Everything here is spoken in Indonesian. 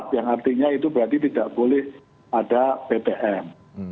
yang artinya itu berarti tidak boleh ada ptm